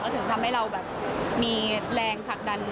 ก็ถึงทำให้เรามีแรงสักดัน